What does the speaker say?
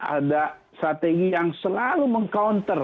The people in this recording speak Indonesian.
ada strategi yang selalu meng counter